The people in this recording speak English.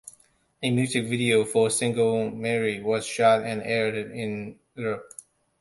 A music video for the single "Merry" was shot and aired in Europe.